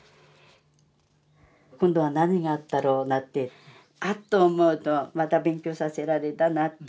「今度は何があったろう」なんてあっと思うとまた勉強させられたなって。